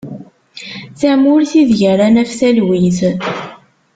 Tamurt i deg ara naf talwit.